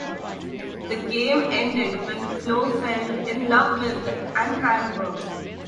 The game ended when Flo fell in love with an hamburger.